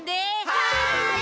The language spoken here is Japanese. はい！